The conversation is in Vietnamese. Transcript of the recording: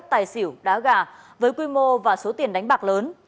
tài xỉu đá gà với quy mô và số tiền đánh bạc lớn